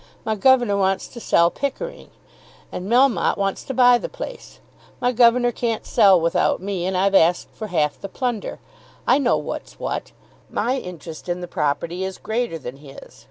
"My governor wants to sell Pickering, and Melmotte wants to buy the place. My governor can't sell without me, and I've asked for half the plunder. I know what's what. My interest in the property is greater than his.